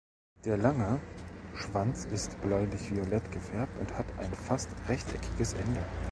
Der lange Schwanz ist bläulich violett gefärbt und hat ein fast rechteckiges Ende.